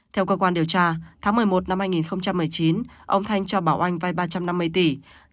theo cơ quan điều tra tháng một mươi một năm hai nghìn một mươi chín ông thanh cho bảo oanh vai ba trăm năm mươi tỷ